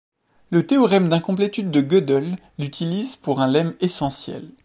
Le théorème d'incomplétude de Gödel l'utilise pour un lemme essentiel.